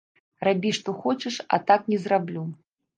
Рабі што хочаш, а так не зраблю.